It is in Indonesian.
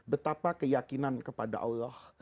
betapa keyakinan kepada allah